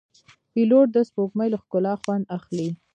پیلوټ د سپوږمۍ له ښکلا خوند اخلي.